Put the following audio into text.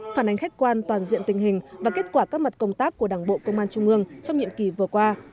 phản ánh khách quan toàn diện tình hình và kết quả các mặt công tác của đảng bộ công an trung ương trong nhiệm kỳ vừa qua